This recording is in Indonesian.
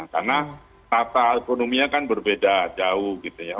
karena tata ekonominya kan berbeda jauh